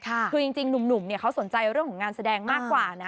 คือจริงหนุ่มเนี่ยเขาสนใจเรื่องของงานแสดงมากกว่านะ